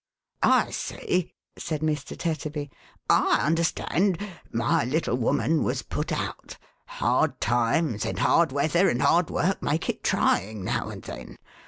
" I see !" said Mr. Tetterby. " I understand ! My little woman was put out. Hard times, and hard weather, and hard work, make it trying now and then.